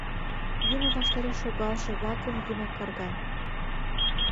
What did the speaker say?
Юмо ваштареш шогалше-влакым юмак карга.